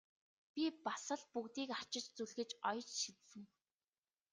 Би бас л бүгдийг арчиж зүлгэж оёж шидсэн!